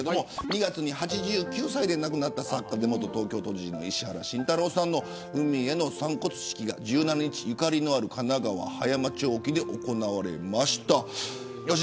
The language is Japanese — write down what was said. ２月に８９歳で亡くなった作家で元東京都知事の石原慎太郎さんの海への散骨式が１７日ゆかりのある神奈川葉山町沖で行われました。